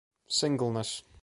singleness